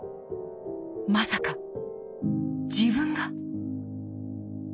まさか自分が？